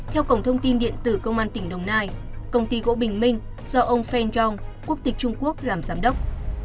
theo cổng thông tin điện tử công an tỉnh đồng nai công ty gỗ bình minh do ông feng yong quốc tịch trung quốc làm giám đốc